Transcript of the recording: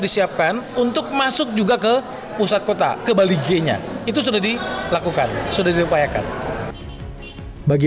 disiapkan untuk masuk juga ke pusat kota ke bali g nya itu sudah dilakukan sudah diupayakan bagi